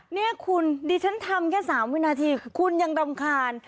นี่คุณดิฉันทำแค่๓วินาทีคุณยังรำคาญ